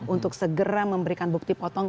untuk segera memberikan bukti potong